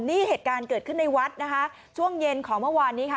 นี่เหตุการณ์เกิดขึ้นในวัดนะคะช่วงเย็นของเมื่อวานนี้ค่ะ